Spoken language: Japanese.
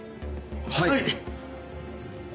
はい！